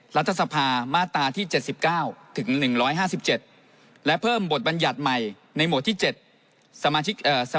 รัฐสภามาตราที่๗๙ถึง๑๕๗และเพิ่มบทบรรยัติใหม่ในโหมดที่๗